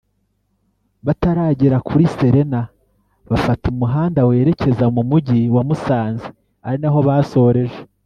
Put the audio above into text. bataragera kuri Serena bafata umuhanda werekeza mu mujyi wa musanze ari naho basoreje